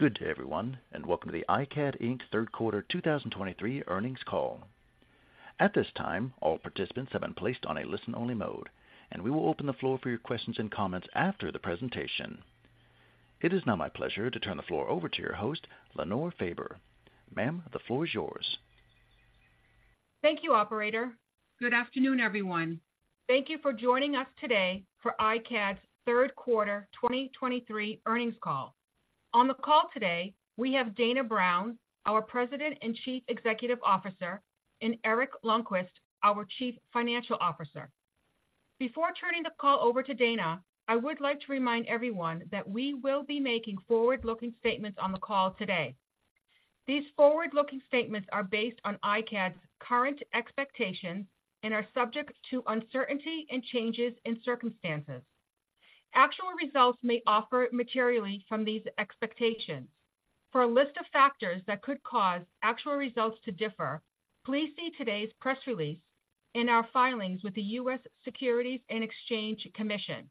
Good day, everyone, and welcome to the iCAD, Inc. third quarter 2023 earnings call. At this time, all participants have been placed on a listen-only mode, and we will open the floor for your questions and comments after the presentation. It is now my pleasure to turn the floor over to your host, Leonor Faber. Ma'am, the floor is yours. Thank you, operator. Good afternoon, everyone. Thank you for joining us today for iCAD's third quarter 2023 earnings call. On the call today, we have Dana Brown, our President and Chief Executive Officer, and Eric Lonnqvist, our Chief Financial Officer. Before turning the call over to Dana, I would like to remind everyone that we will be making forward-looking statements on the call today. These forward-looking statements are based on iCAD's current expectations and are subject to uncertainty and changes in circumstances. Actual results may differ materially from these expectations. For a list of factors that could cause actual results to differ, please see today's press release and our filings with the U.S. Securities and Exchange Commission.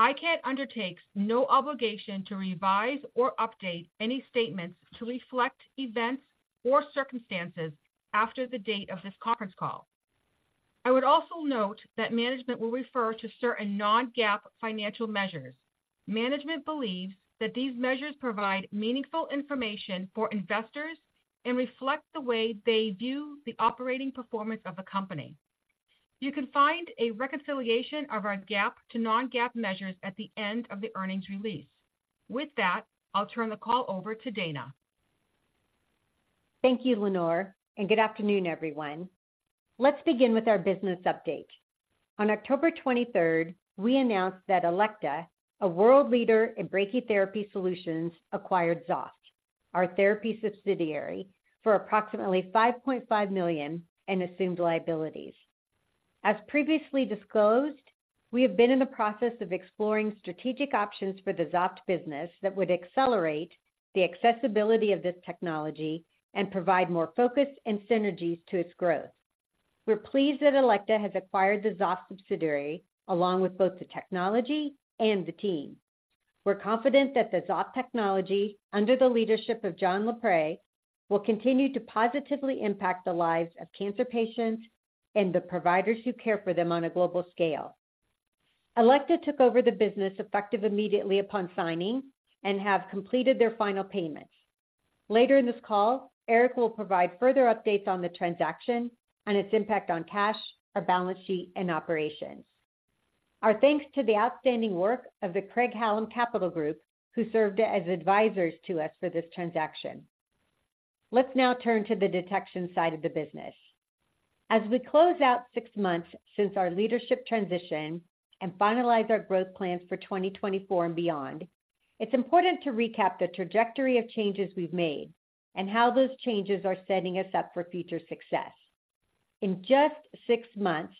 iCAD undertakes no obligation to revise or update any statements to reflect events or circumstances after the date of this conference call. I would also note that management will refer to certain non-GAAP financial measures. Management believes that these measures provide meaningful information for investors and reflect the way they view the operating performance of the company. You can find a reconciliation of our GAAP to non-GAAP measures at the end of the earnings release. With that, I'll turn the call over to Dana. Thank you, Leonor, and good afternoon, everyone. Let's begin with our business update. On October twenty-third, we announced that Elekta, a world leader in brachytherapy solutions, acquired Xoft, our therapy subsidiary, for approximately $5.5 million in assumed liabilities. As previously disclosed, we have been in the process of exploring strategic options for the Xoft business that would accelerate the accessibility of this technology and provide more focus and synergies to its growth. We're pleased that Elekta has acquired the Xoft subsidiary, along with both the technology and the team. We're confident that the Xoft technology, under the leadership of John Lapré, will continue to positively impact the lives of cancer patients and the providers who care for them on a global scale. Elekta took over the business effective immediately upon signing and have completed their final payments. Later in this call, Eric will provide further updates on the transaction and its impact on cash, our balance sheet, and operations. Our thanks to the outstanding work of the Craig-Hallum Capital Group, who served as advisors to us for this transaction. Let's now turn to the detection side of the business. As we close out six months since our leadership transition and finalize our growth plans for 2024 and beyond, it's important to recap the trajectory of changes we've made and how those changes are setting us up for future success. In just six months,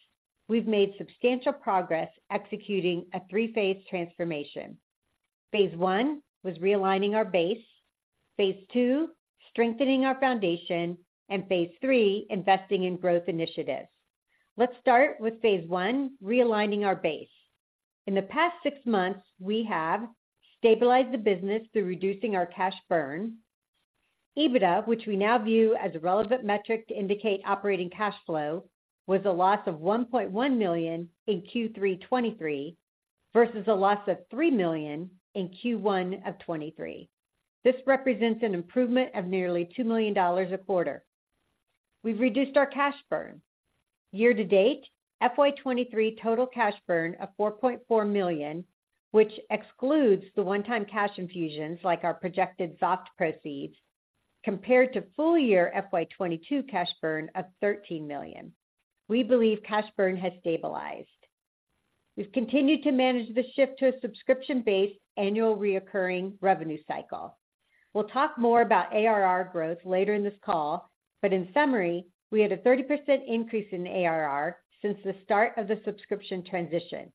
we've made substantial progress executing a three-phase transformation. Phase I was realigning our base, phase II, strengthening our foundation, and phase III, investing in growth initiatives. Let's start with phase I, realigning our base. In the past six months, we have stabilized the business through reducing our cash burn. EBITDA, which we now view as a relevant metric to indicate operating cash flow, was a loss of $1.1 million in Q3 2023 versus a loss of $3 million in Q1 of 2023. This represents an improvement of nearly $2 million a quarter. We've reduced our cash burn. Year to date, FY 2023 total cash burn of $4.4 million, which excludes the one-time cash infusions like our projected Xoft proceeds, compared to full year FY 2022 cash burn of $13 million. We believe cash burn has stabilized. We've continued to manage the shift to a subscription-based annual recurring revenue cycle. We'll talk more about ARR growth later in this call, but in summary, we had a 30% increase in ARR since the start of the subscription transition.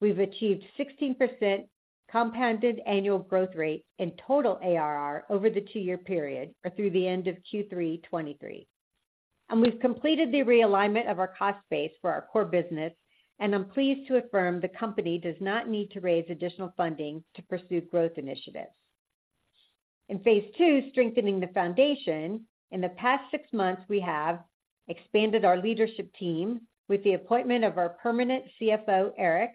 We've achieved 16% compounded annual growth rate in total ARR over the 2-year period or through the end of Q3 2023. We've completed the realignment of our cost base for our core business, and I'm pleased to affirm the company does not need to raise additional funding to pursue growth initiatives. In phase II, strengthening the foundation, in the past 6 months, we have expanded our leadership team with the appointment of our permanent CFO, Eric,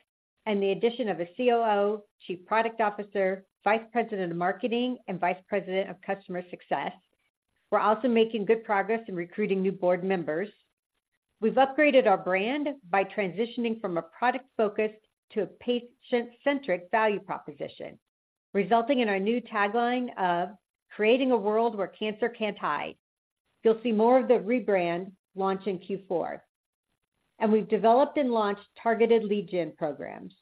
and the addition of a COO, Chief Product Officer, Vice President of Marketing, and Vice President of Customer Success. We're also making good progress in recruiting new board members. We've upgraded our brand by transitioning from a product-focused to a patient-centric value proposition, resulting in our new tagline of "Creating a world where cancer can't hide." You'll see more of the rebrand launch in Q4. We've developed and launched targeted lead gen programs.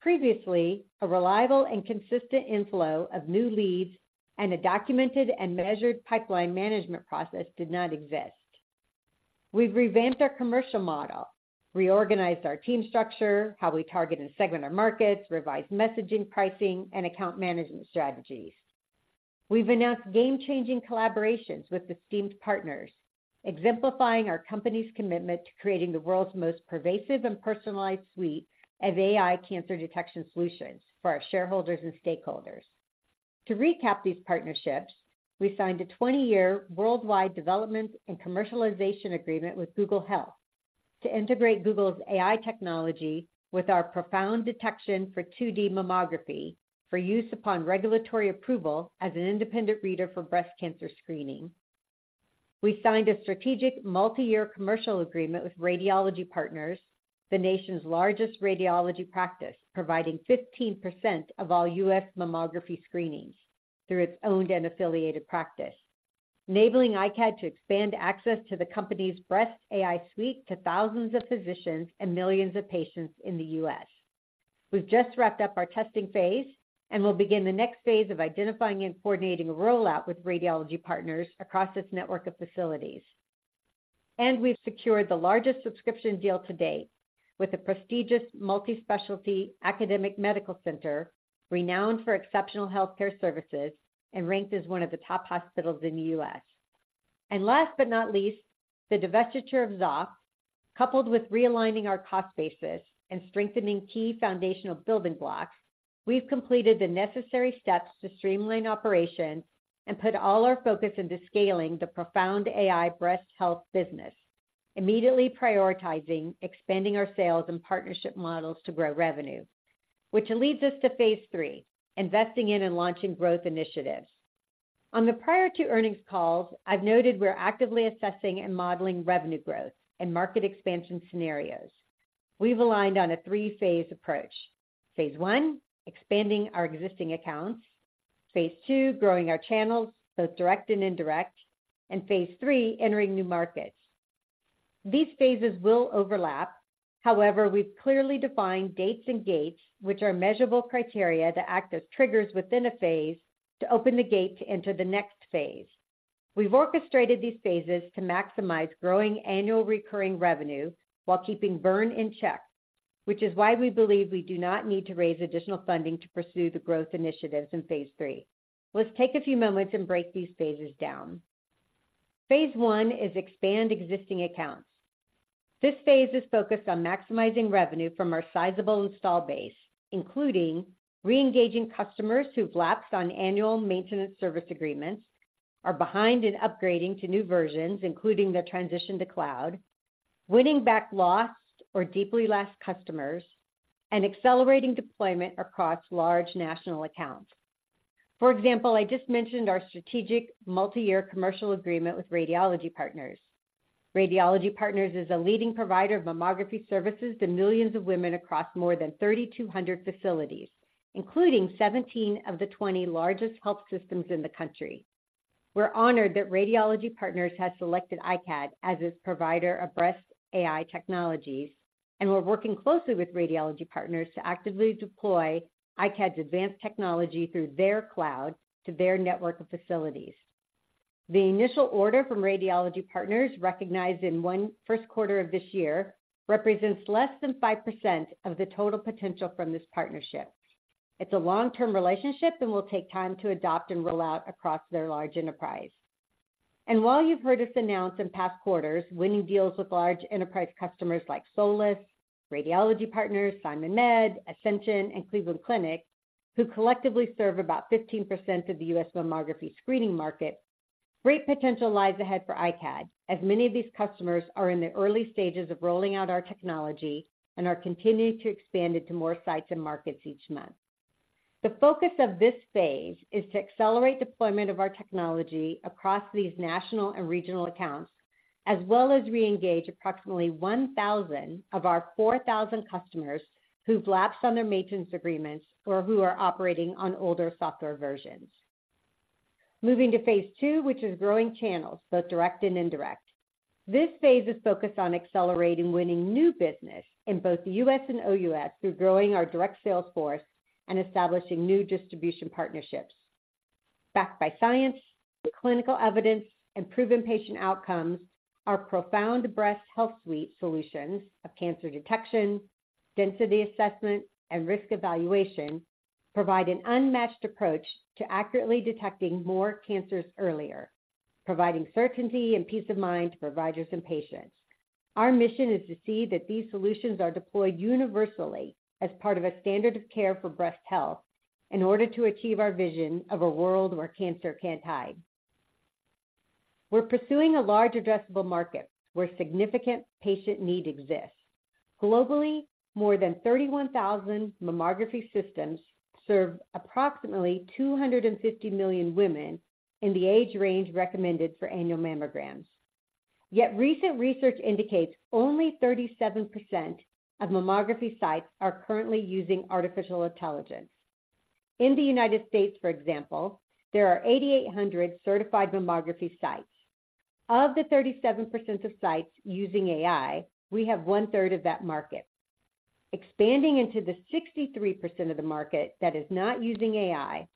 Previously, a reliable and consistent inflow of new leads and a documented and measured pipeline management process did not exist. We've revamped our commercial model, reorganized our team structure, how we target and segment our markets, revised messaging, pricing, and account management strategies. We've announced game-changing collaborations with esteemed partners, exemplifying our company's commitment to creating the world's most pervasive and personalized suite of AI cancer detection solutions for our shareholders and stakeholders. To recap these partnerships, we signed a 20-year worldwide development and commercialization agreement with Google Health to integrate Google's AI technology with our ProFound Detection for 2D mammography, for use upon regulatory approval as an independent reader for breast cancer screening. We signed a strategic multiyear commercial agreement with Radiology Partners, the nation's largest radiology practice, providing 15% of all U.S. mammography screenings through its owned and affiliated practice, enabling iCAD to expand access to the company's breast AI suite to thousands of physicians and millions of patients in the U.S. We've just wrapped up our testing phase and will begin the next phase of identifying and coordinating a rollout with Radiology Partners across this network of facilities. We've secured the largest subscription deal to date with a prestigious multi-specialty academic medical center, renowned for exceptional healthcare services and ranked as one of the top hospitals in the U.S. Last but not least, the divestiture of Xoft, coupled with realigning our cost basis and strengthening key foundational building blocks, we've completed the necessary steps to streamline operations and put all our focus into scaling the ProFound AI breast health business, immediately prioritizing expanding our sales and partnership models to grow revenue, which leads us to phase III, investing in and launching growth initiatives. On the prior two earnings calls, I've noted we're actively assessing and modeling revenue growth and market expansion scenarios. We've aligned on a three-phase approach. Phase I, expanding our existing accounts; phase II, growing our channels, both direct and indirect; and phase III, entering new markets. These phases will overlap. However, we've clearly defined dates and gates, which are measurable criteria that act as triggers within a phase to open the gate to enter the next phase. We've orchestrated these phases to maximize growing annual recurring revenue while keeping burn in check, which is why we believe we do not need to raise additional funding to pursue the growth initiatives in phase III. Let's take a few moments and break these phases down. Phase I is expand existing accounts. This phase is focused on maximizing revenue from our sizable install base, including reengaging customers who've lapsed on annual maintenance service agreements, are behind in upgrading to new versions, including the transition to cloud, winning back lost or deeply lost customers, and accelerating deployment across large national accounts. For example, I just mentioned our strategic multi-year commercial agreement with Radiology Partners. Radiology Partners is a leading provider of mammography services to millions of women across more than 3,200 facilities, including 17 of the 20 largest health systems in the country. We're honored that Radiology Partners has selected iCAD as its provider of breast AI technologies, and we're working closely with Radiology Partners to actively deploy iCAD's advanced technology through their cloud to their network of facilities. The initial order from Radiology Partners, recognized in the first quarter of this year, represents less than 5% of the total potential from this partnership. It's a long-term relationship and will take time to adopt and roll out across their large enterprise. While you've heard us announce in past quarters, winning deals with large enterprise customers like Solis, Radiology Partners, SimonMed, Ascension, and Cleveland Clinic, who collectively serve about 15% of the U.S. mammography screening market, great potential lies ahead for iCAD, as many of these customers are in the early stages of rolling out our technology and are continuing to expand it to more sites and markets each month. The focus of this phase is to accelerate deployment of our technology across these national and regional accounts, as well as reengage approximately 1,000 of our 4,000 customers who've lapsed on their maintenance agreements or who are operating on older software versions. Moving to phase II, which is growing channels, both direct and indirect. This phase is focused on accelerating winning new business in both the US and OUS through growing our direct sales force and establishing new distribution partnerships. Backed by science, clinical evidence, and proven patient outcomes, our ProFound Breast Health Suite solutions of cancer detection, density assessment, and risk evaluation provide an unmatched approach to accurately detecting more cancers earlier, providing certainty and peace of mind to providers and patients. Our mission is to see that these solutions are deployed universally as part of a standard of care for breast health in order to achieve our vision of a world where cancer can't hide. We're pursuing a large addressable market where significant patient need exists. Globally, more than 31,000 mammography systems serve approximately 250 million women in the age range recommended for annual mammograms. Yet recent research indicates only 37% of mammography sites are currently using artificial intelligence. In the United States, for example, there are 8,800 certified mammography sites. Of the 37% of sites using AI, we have 1/3 of that market. Expanding into the 63% of the market that is not using AI,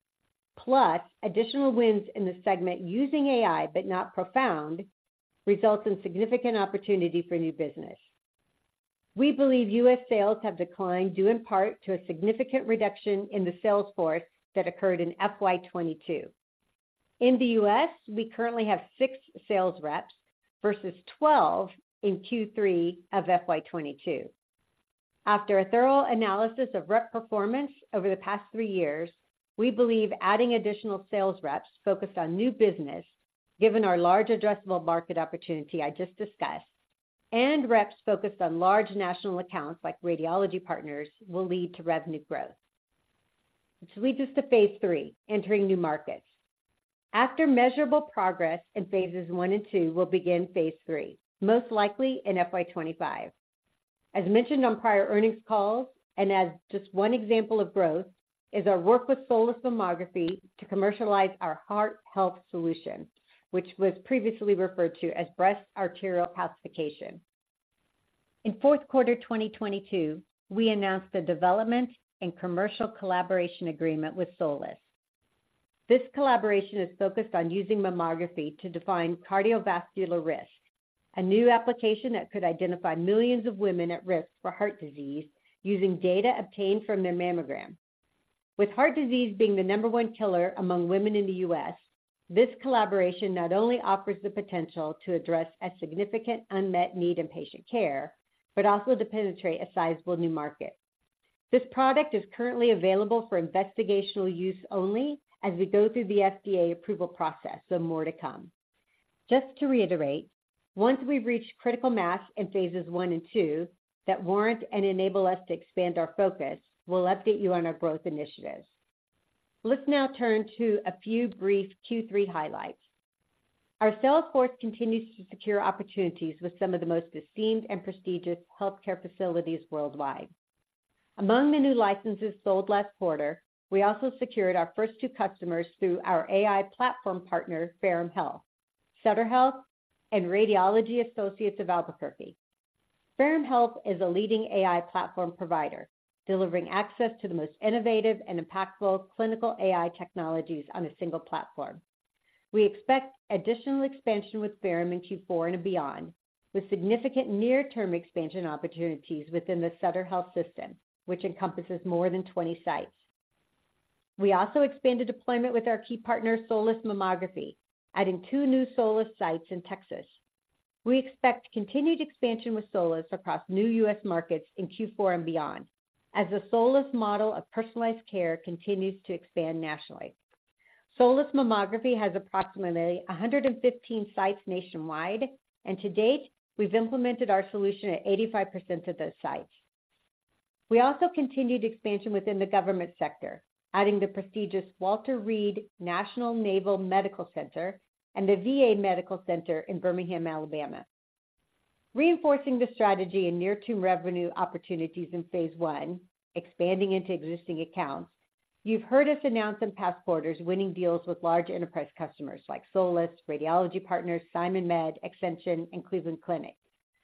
plus additional wins in the segment using AI but not ProFound, results in significant opportunity for new business.... We believe U.S. sales have declined due in part to a significant reduction in the sales force that occurred in FY 2022. In the U.S., we currently have 6 sales reps versus 12 in Q3 of FY 2022. After a thorough analysis of rep performance over the past 3 years, we believe adding additional sales reps focused on new business, given our large addressable market opportunity I just discussed, and reps focused on large national accounts like Radiology Partners, will lead to revenue growth. Which leads us to phase III, entering new markets. After measurable progress in phases one and two, we'll begin phase III, most likely in FY 2025. As mentioned on prior earnings calls, and as just one example of growth, is our work with Solis Mammography to commercialize our heart health solution, which was previously referred to as breast arterial calcification. In fourth quarter 2022, we announced a development and commercial collaboration agreement with Solis. This collaboration is focused on using mammography to define cardiovascular risk, a new application that could identify millions of women at risk for heart disease using data obtained from their mammogram. With heart disease being the number one killer among women in the U.S., this collaboration not only offers the potential to address a significant unmet need in patient care, but also to penetrate a sizable new market. This product is currently available for investigational use only as we go through the FDA approval process, so more to come. Just to reiterate, once we've reached critical mass in phases 1 and 2 that warrant and enable us to expand our focus, we'll update you on our growth initiatives. Let's now turn to a few brief Q3 highlights. Our sales force continues to secure opportunities with some of the most esteemed and prestigious healthcare facilities worldwide. Among the new licenses sold last quarter, we also secured our first two customers through our AI platform partner, Ferrum Health, Sutter Health, and Radiology Associates of Albuquerque. Ferrum Health is a leading AI platform provider, delivering access to the most innovative and impactful clinical AI technologies on a single platform. We expect additional expansion with Ferrum in Q4 and beyond, with significant near-term expansion opportunities within the Sutter Health system, which encompasses more than twenty sites. We also expanded deployment with our key partner, Solis Mammography, adding two new Solis sites in Texas. We expect continued expansion with Solis across new U.S. markets in Q4 and beyond, as the Solis model of personalized care continues to expand nationally. Solis Mammography has approximately 115 sites nationwide, and to date, we've implemented our solution at 85% of those sites. We also continued expansion within the government sector, adding the prestigious Walter Reed National Military Medical Center and the VA Medical Center in Birmingham, Alabama. Reinforcing the strategy in near-term revenue opportunities in phase I, expanding into existing accounts, you've heard us announce in past quarters winning deals with large enterprise customers like Solis, Radiology Partners, SimonMed, Ascension, and Cleveland Clinic,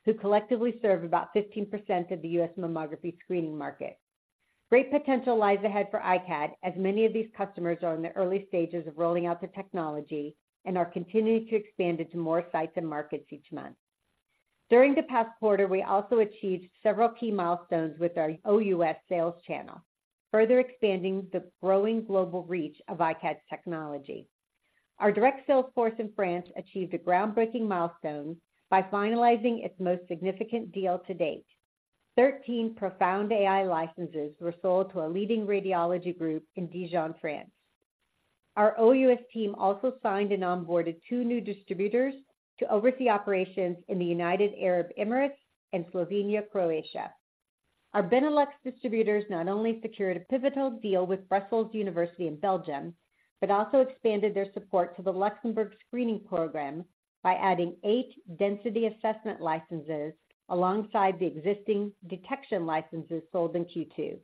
who collectively serve about 15% of the US mammography screening market. Great potential lies ahead for iCAD, as many of these customers are in the early stages of rolling out the technology and are continuing to expand into more sites and markets each month. During the past quarter, we also achieved several key milestones with our OUS sales channel, further expanding the growing global reach of iCAD's technology. Our direct sales force in France achieved a groundbreaking milestone by finalizing its most significant deal to date. 13 ProFound AI licenses were sold to a leading radiology group in Dijon, France. Our OUS team also signed and onboarded 2 new distributors to oversee operations in the United Arab Emirates and Slovenia, Croatia. Our Benelux distributors not only secured a pivotal deal with Brussels University in Belgium, but also expanded their support to the Luxembourg screening program by adding 8 density assessment licenses alongside the existing detection licenses sold in Q2.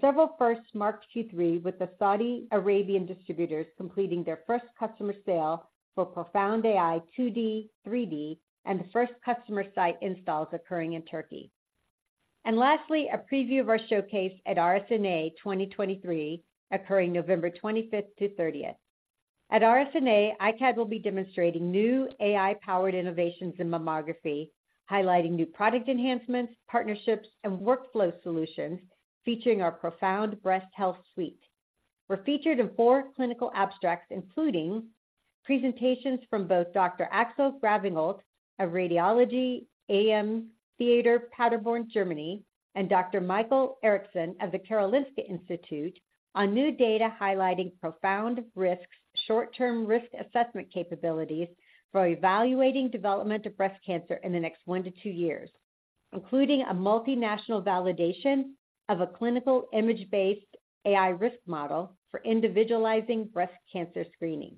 Several firsts marked Q3, with the Saudi Arabian distributors completing their first customer sale for ProFound AI 2D, 3D, and the first customer site installs occurring in Turkey. Lastly, a preview of our showcase at RSNA 2023, occurring November 25th to 30th. At RSNA, iCAD will be demonstrating new AI-powered innovations in mammography, highlighting new product enhancements, partnerships, and workflow solutions featuring our ProFound Breast Health Suite. We're featured in 4 clinical abstracts, including presentations from both Dr. Axel Gränhölt of Radiology Am Theater, Paderborn, Germany, and Dr. Mikael Eriksson of the Karolinska Institute on new data highlighting ProFound Risk's short-term risk assessment capabilities for evaluating development of breast cancer in the next 1-2 years, including a multinational validation of a clinical image-based AI risk model for individualizing breast cancer screening.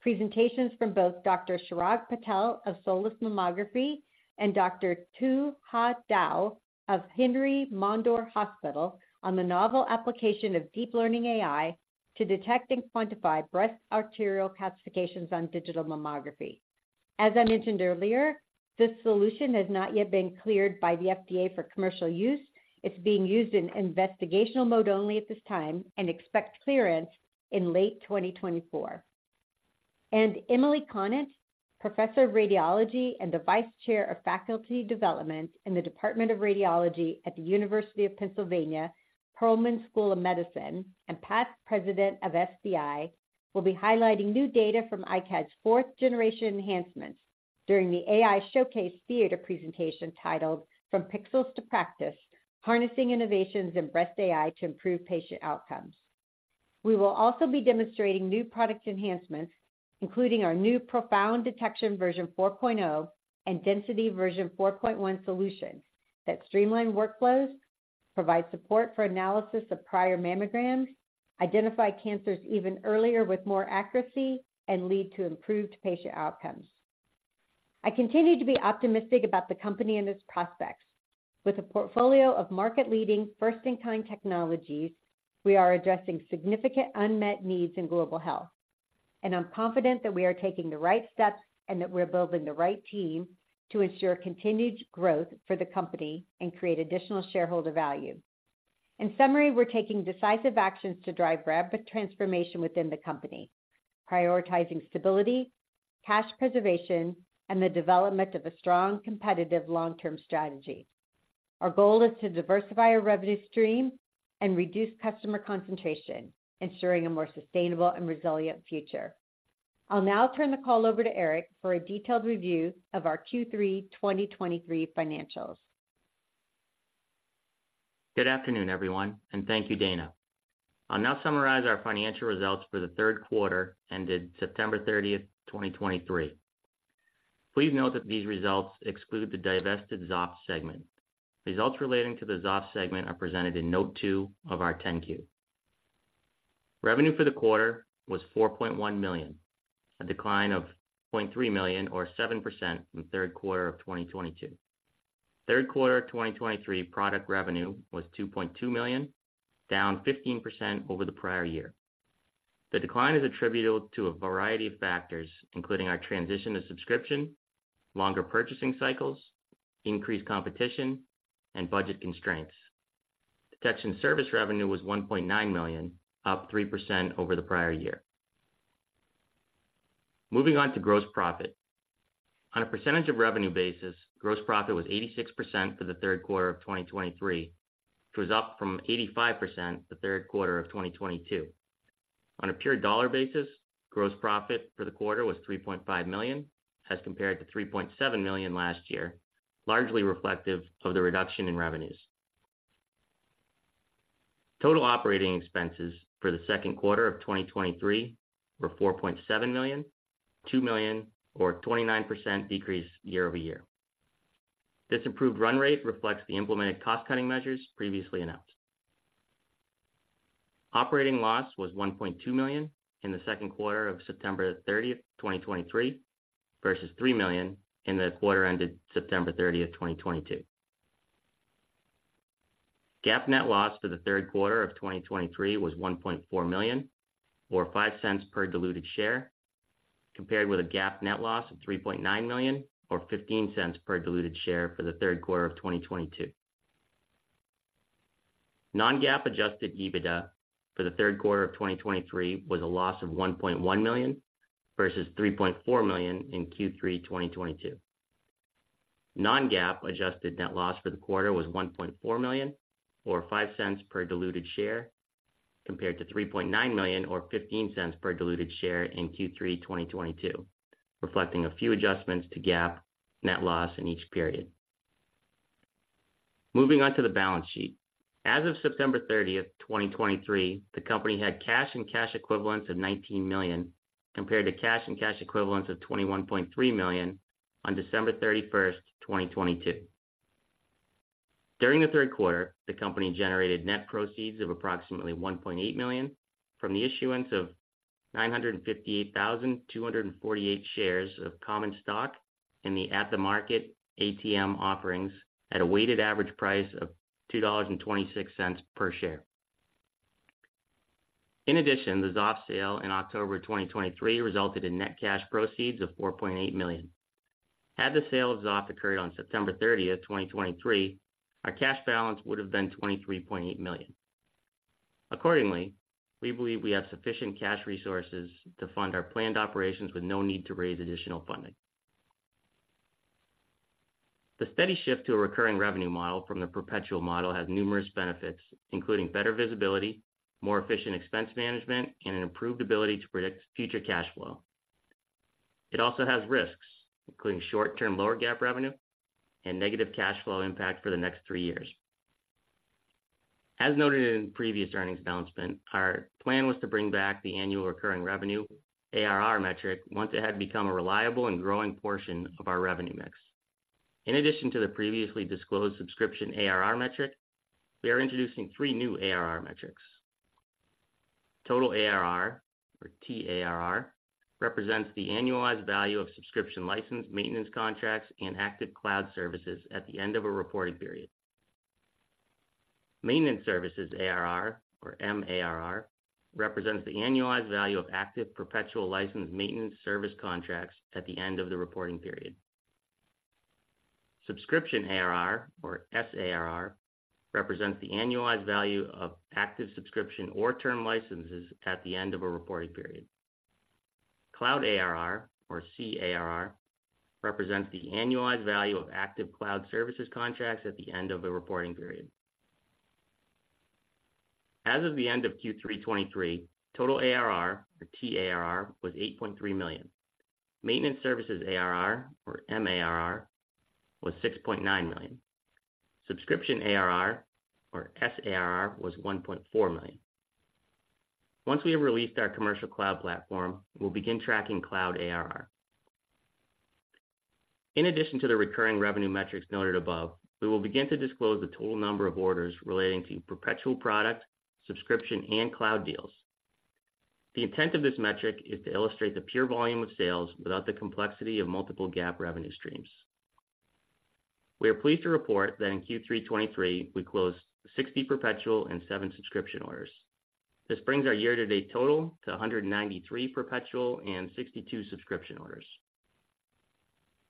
Presentations from both Dr. Chirag Patel of Solis Mammography and Dr. Tu Ha Dao of Henri Mondor Hospital on the novel application of deep learning AI to detect and quantify breast arterial calcifications on digital mammography. As I mentioned earlier, this solution has not yet been cleared by the FDA for commercial use. It's being used in investigational mode only at this time, and expect clearance in late 2024. Emily Conant, Professor of Radiology and the Vice Chair of Faculty Development in the Department of Radiology at the University of Pennsylvania, Perelman School of Medicine, and past President of SBI, will be highlighting new data from iCAD's fourth generation enhancements during the AI Showcase Theater presentation, titled From Pixels to Practice: Harnessing Innovations in Breast AI to Improve Patient Outcomes. We will also be demonstrating new product enhancements, including our new ProFound Detection Version 4.0 and ProFound Density Version 4.1 solutions, that streamline workflows, provide support for analysis of prior mammograms, identify cancers even earlier with more accuracy, and lead to improved patient outcomes. I continue to be optimistic about the company and its prospects. With a portfolio of market-leading, first-in-time technologies, we are addressing significant unmet needs in global health, and I'm confident that we are taking the right steps and that we're building the right team to ensure continued growth for the company and create additional shareholder value. In summary, we're taking decisive actions to drive rapid transformation within the company, prioritizing stability, cash preservation, and the development of a strong, competitive, long-term strategy. Our goal is to diversify our revenue stream and reduce customer concentration, ensuring a more sustainable and resilient future. I'll now turn the call over to Eric for a detailed review of our Q3 2023 financials. Good afternoon, everyone, and thank you, Dana. I'll now summarize our financial results for the third quarter ended September 30, 2023. Please note that these results exclude the divested Xoft segment. Results relating to the Xoft segment are presented in note 2 of our 10-Q. Revenue for the quarter was $4.1 million, a decline of $0.3 million or 7% from third quarter of 2022. Third quarter of 2023, product revenue was $2.2 million, down 15% over the prior year. The decline is attributable to a variety of factors, including our transition to subscription, longer purchasing cycles, increased competition, and budget constraints. Detection service revenue was $1.9 million, up 3% over the prior year. Moving on to gross profit. On a percentage of revenue basis, gross profit was 86% for the third quarter of 2023, which was up from 85% the third quarter of 2022. On a pure dollar basis, gross profit for the quarter was $3.5 million, as compared to $3.7 million last year, largely reflective of the reduction in revenues. Total operating expenses for the second quarter of 2023 were $4.7 million, $2 million, or a 29% decrease year-over-year. This improved run rate reflects the implemented cost-cutting measures previously announced. Operating loss was $1.2 million in the second quarter of September 30, 2023, versus $3 million in the quarter ended September 30, 2022. GAAP net loss for the third quarter of 2023 was $1.4 million, or $0.05 per diluted share, compared with a GAAP net loss of $3.9 million, or $0.15 per diluted share for the third quarter of 2022. Non-GAAP adjusted EBITDA for the third quarter of 2023 was a loss of $1.1 million, versus $3.4 million in Q3 2022. Non-GAAP adjusted net loss for the quarter was $1.4 million, or $0.05 per diluted share, compared to $3.9 million, or $0.15 per diluted share in Q3 2022, reflecting a few adjustments to GAAP net loss in each period. Moving on to the balance sheet. As of September 30, 2023, the company had cash and cash equivalents of $19 million, compared to cash and cash equivalents of $21.3 million on December 31, 2022. During the third quarter, the company generated net proceeds of approximately $1.8 million from the issuance of 958,248 shares of common stock in the at-the-market ATM offerings at a weighted average price of $2.26 per share. In addition, the Xoft sale in October 2023 resulted in net cash proceeds of $4.8 million. Had the sale of Xoft occurred on September 30, 2023, our cash balance would have been $23.8 million. Accordingly, we believe we have sufficient cash resources to fund our planned operations with no need to raise additional funding. The steady shift to a recurring revenue model from the perpetual model has numerous benefits, including better visibility, more efficient expense management, and an improved ability to predict future cash flow. It also has risks, including short-term lower GAAP revenue and negative cash flow impact for the next three years. As noted in previous earnings announcement, our plan was to bring back the annual recurring revenue, ARR metric, once it had become a reliable and growing portion of our revenue mix. In addition to the previously disclosed subscription ARR metric, we are introducing three new ARR metrics. Total ARR, or TARR, represents the annualized value of subscription license, maintenance contracts, and active cloud services at the end of a reported period. Maintenance services ARR, or MARR, represents the annualized value of active perpetual license maintenance service contracts at the end of the reporting period.... Subscription ARR, or SARR, represents the annualized value of active subscription or term licenses at the end of a reporting period. Cloud ARR, or CARR, represents the annualized value of active cloud services contracts at the end of a reporting period. As of the end of Q3 2023, total ARR, or TARR, was $8.3 million. Maintenance services ARR, or MARR, was $6.9 million. Subscription ARR, or SARR, was $1.4 million. Once we have released our commercial cloud platform, we'll begin tracking cloud ARR. In addition to the recurring revenue metrics noted above, we will begin to disclose the total number of orders relating to perpetual product, subscription, and cloud deals. The intent of this metric is to illustrate the pure volume of sales without the complexity of multiple GAAP revenue streams. We are pleased to report that in Q3 2023, we closed 60 perpetual and 7 subscription orders. This brings our year-to-date total to 193 perpetual and 62 subscription orders.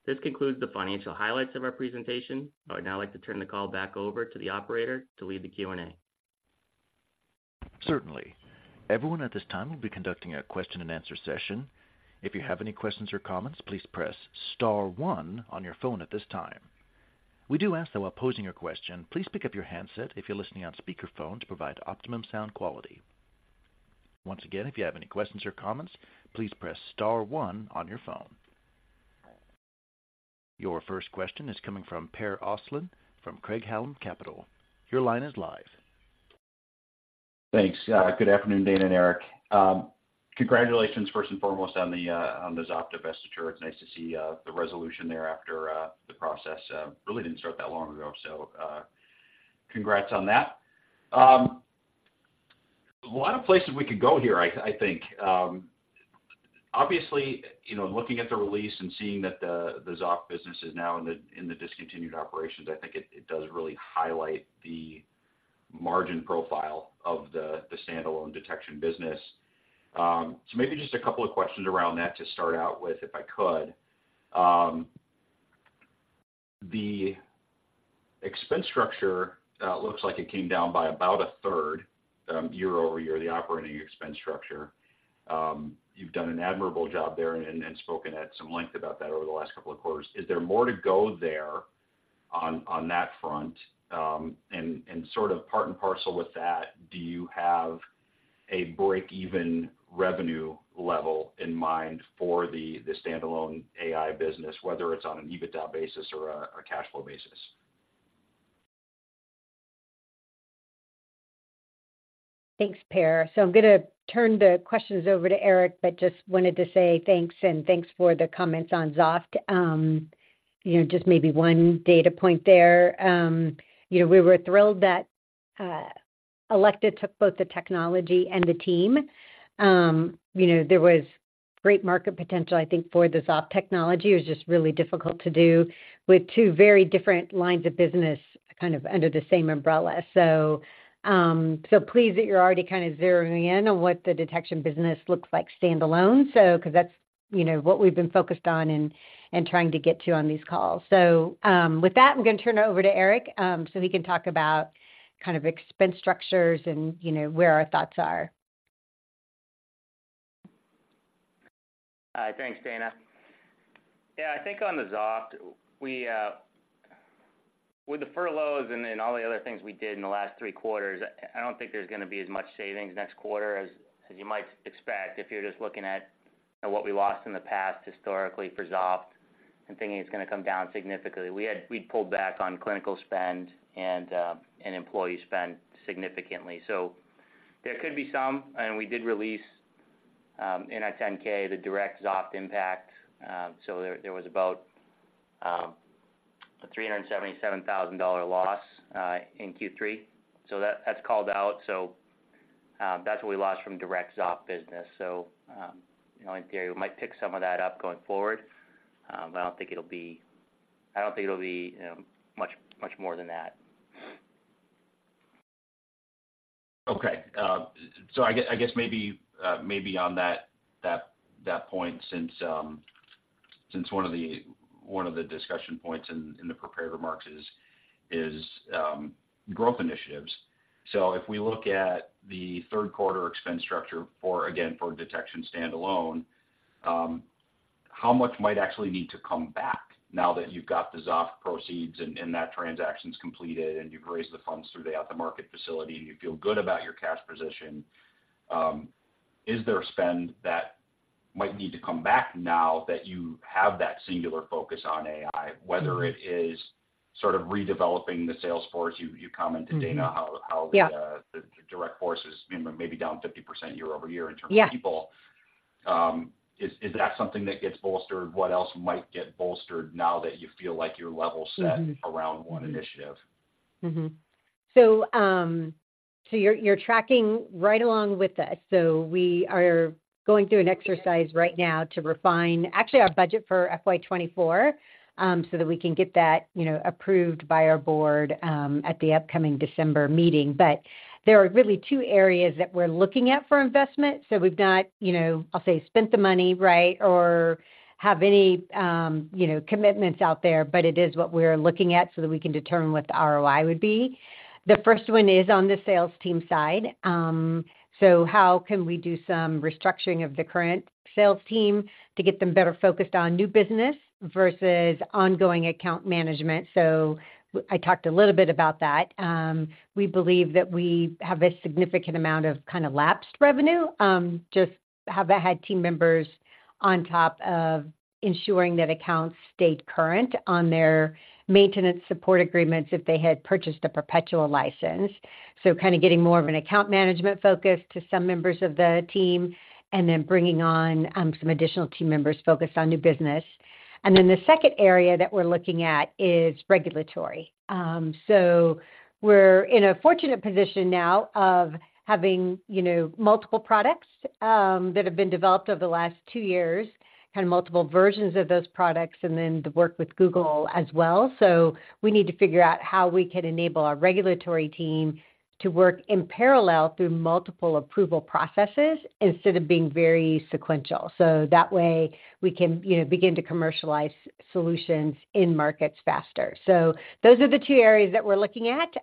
This concludes the financial highlights of our presentation. I would now like to turn the call back over to the operator to lead the Q&A. Certainly. Everyone at this time will be conducting a question-and-answer session. If you have any questions or comments, please press star one on your phone at this time. We do ask, though, while posing your question, please pick up your handset if you're listening on speakerphone to provide optimum sound quality. Once again, if you have any questions or comments, please press star one on your phone. Your first question is coming from Per Ostlund from Craig-Hallum Capital. Your line is live. Thanks. Good afternoon, Dana and Eric. Congratulations, first and foremost, on the Xoft divestiture. It's nice to see the resolution there after the process really didn't start that long ago. So, congrats on that. A lot of places we could go here, I think. Obviously, you know, looking at the release and seeing that the Xoft business is now in the discontinued operations, I think it does really highlight the margin profile of the standalone detection business. So maybe just a couple of questions around that to start out with, if I could. The expense structure looks like it came down by about a third, year-over-year, the operating expense structure. You've done an admirable job there and spoken at some length about that over the last couple of quarters. Is there more to go there on that front? And sort of part and parcel with that, do you have a break-even revenue level in mind for the standalone AI business, whether it's on an EBITDA basis or a cash flow basis? Thanks, Per. So I'm gonna turn the questions over to Eric, but just wanted to say thanks, and thanks for the comments on Xoft. You know, just maybe one data point there. You know, we were thrilled that Elekta took both the technology and the team. You know, there was great market potential, I think, for the Xoft technology. It was just really difficult to do with two very different lines of business, kind of under the same umbrella. So, so pleased that you're already kind of zeroing in on what the detection business looks like standalone. So... 'cause that's, you know, what we've been focused on and trying to get to on these calls. So, with that, I'm gonna turn it over to Eric, so he can talk about kind of expense structures and, you know, where our thoughts are. Thanks, Dana. Yeah, I think on the Xoft, we, with the furloughs and then all the other things we did in the last three quarters, I don't think there's gonna be as much savings next quarter as you might expect if you're just looking at what we lost in the past historically for Xoft and thinking it's gonna come down significantly. We'd pulled back on clinical spend and employee spend significantly. So there could be some, and we did release in our 10-K the direct Xoft impact. So there was about a $377,000 loss in Q3. So that's called out, so that's what we lost from direct Xoft business. So, you know, in theory, we might pick some of that up going forward, but I don't think it'll be much, much more than that. Okay. So I guess maybe on that point, since one of the discussion points in the prepared remarks is growth initiatives. So if we look at the third quarter expense structure for, again, for detection standalone, how much might actually need to come back now that you've got the Xoft proceeds and that transaction's completed, and you've raised the funds through the at-the-market facility, and you feel good about your cash position? Is there a spend that might need to come back now that you have that singular focus on AI, whether it is sort of redeveloping the sales force? You commented, Dana- Mm-hmm. Yeah... how the direct force is maybe down 50% year-over-year in terms of- Yeah... people. Is that something that gets bolstered? What else might get bolstered now that you feel like you're level set- Mm-hmm... around one initiative? Mm-hmm. So you're, you're tracking right along with us. So we are going through an exercise right now to refine actually our budget for FY 2024, so that we can get that, you know, approved by our board, at the upcoming December meeting. But there are really two areas that we're looking at for investment. So we've not, you know, I'll say, spent the money, right, or have any, you know, commitments out there, but it is what we're looking at so that we can determine what the ROI would be. The first one is on the sales team side. So how can we do some restructuring of the current sales team to get them better focused on new business versus ongoing account management? So I talked a little bit about that. We believe that we have a significant amount of kind of lapsed revenue. Just have had team members on top of ensuring that accounts stayed current on their maintenance support agreements if they had purchased a perpetual license. So kind of getting more of an account management focus to some members of the team and then bringing on, some additional team members focused on new business. And then the second area that we're looking at is regulatory. So we're in a fortunate position now of having, you know, multiple products, that have been developed over the last two years, kind of multiple versions of those products, and then the work with Google as well. So we need to figure out how we can enable our regulatory team to work in parallel through multiple approval processes instead of being very sequential. So that way we can, you know, begin to commercialize solutions in markets faster. So those are the two areas that we're looking at.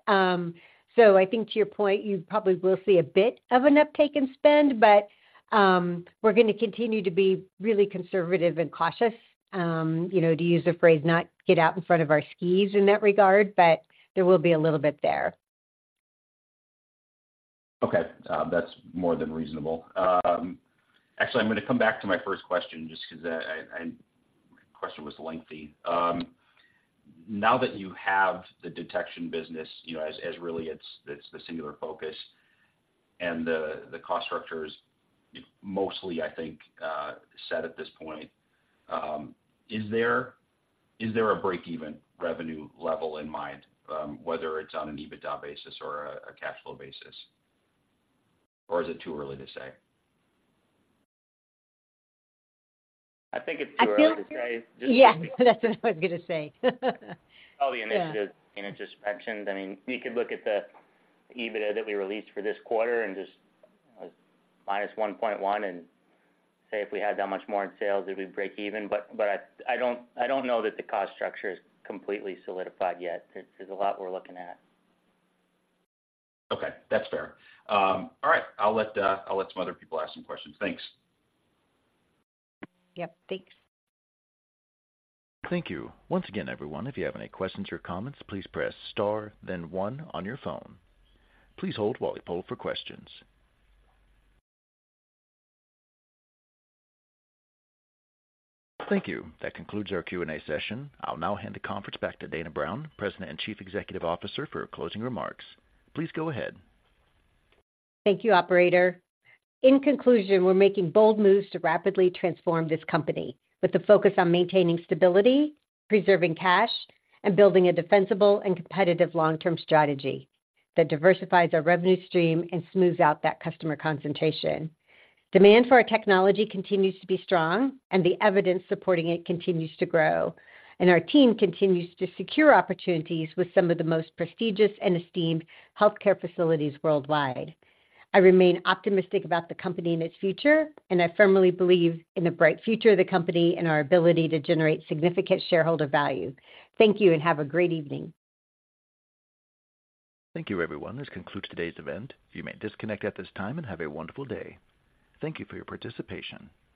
So I think to your point, you probably will see a bit of an uptake in spend, but, we're going to continue to be really conservative and cautious, you know, to use the phrase, not get out in front of our skis in that regard, but there will be a little bit there. Okay, that's more than reasonable. Actually, I'm going to come back to my first question just because I, my question was lengthy. Now that you have the detection business, you know, as really it's the singular focus and the cost structure is mostly, I think, set at this point, is there a break-even revenue level in mind, whether it's on an EBITDA basis or a cash flow basis? Or is it too early to say? I think it's too early to say. Yeah, that's what I was going to say. All the initiatives in inspections. I mean, we could look at the EBITDA that we released for this quarter and just minus $1.1 and say, if we had that much more in sales, did we break even? But I don't know that the cost structure is completely solidified yet. There's a lot we're looking at. Okay, that's fair. All right. I'll let some other people ask some questions. Thanks. Yep, thanks. Thank you. Once again, everyone, if you have any questions or comments, please press Star, then one on your phone. Please hold while we poll for questions. Thank you. That concludes our Q&A session. I'll now hand the conference back to Dana Brown, President and Chief Executive Officer, for closing remarks. Please go ahead. Thank you, Operator. In conclusion, we're making bold moves to rapidly transform this company with a focus on maintaining stability, preserving cash, and building a defensible and competitive long-term strategy that diversifies our revenue stream and smooths out that customer concentration. Demand for our technology continues to be strong, and the evidence supporting it continues to grow, and our team continues to secure opportunities with some of the most prestigious and esteemed healthcare facilities worldwide. I remain optimistic about the company and its future, and I firmly believe in the bright future of the company and our ability to generate significant shareholder value. Thank you and have a great evening. Thank you, everyone. This concludes today's event. You may disconnect at this time and have a wonderful day. Thank you for your participation.